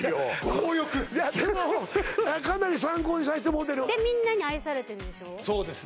強欲いやでもかなり参考にさしてもうてるでみんなに愛されてるでしょうそうですね